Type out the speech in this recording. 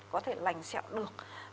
có thể lành sát và giảm bài tiết acid